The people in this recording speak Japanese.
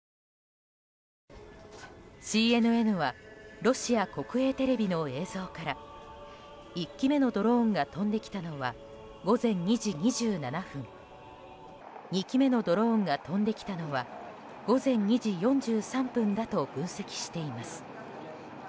ＣＮＮはロシア国営テレビの映像から１機目のドローンが飛んできたのは午前２時２７分２機目のドローンが飛んできたのは午前２時４３分だと分析しています。